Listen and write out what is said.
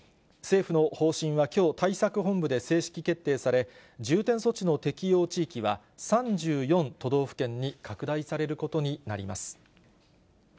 政府の方針はきょう、対策本部で正式決定され、重点措置の適用地域は３４都道府県に拡大されることになります。